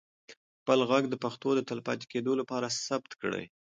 خپل ږغ د پښتو د تلپاتې کېدو لپاره ثبت کړئ.